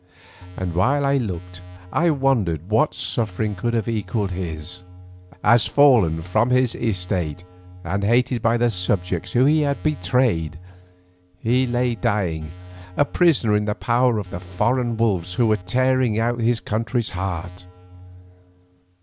And while I looked I wondered what suffering could have equalled his, as fallen from his estate and hated by the subjects whom he had betrayed, he lay dying, a prisoner in the power of the foreign wolves who were tearing out his country's heart.